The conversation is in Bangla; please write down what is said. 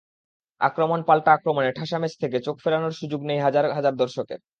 আক্রমণ-পাল্টা আক্রমণে ঠাসা ম্যাচ থেকে চোখ ফেরানোর সুযোগ নেই হাজার কয়েক দর্শকের।